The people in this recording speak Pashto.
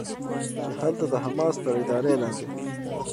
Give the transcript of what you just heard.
چې هلته د حماس تر ادارې لاندې